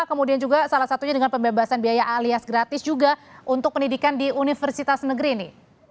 kemudian juga salah satunya dengan pembebasan biaya alias gratis juga untuk pendidikan di universitas negeri ini